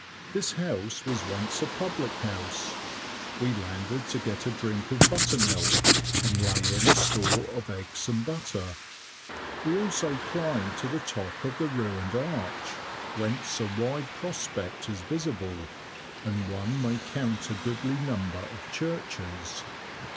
This house was once a public house; we landed to get a drink of buttermilk, and lay in a store of eggs and butter. We also climbed to the top of the ruined arch, whence a wide prospect is visible, and one may count a goodly number of churches.